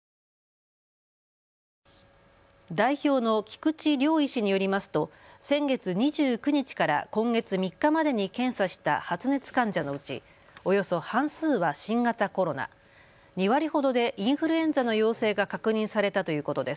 代表の菊池亮医師によりますと先月２９日から今月３日までに検査した発熱患者のうちおよそ半数は新型コロナ、２割ほどでインフルエンザの陽性が確認されたということです。